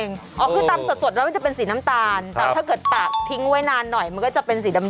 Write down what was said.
คือตำสดแล้วมันจะเป็นสีน้ำตาลแต่ถ้าเกิดตากทิ้งไว้นานหน่อยมันก็จะเป็นสีดำ